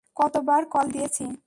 কতবার কল দিয়েছি!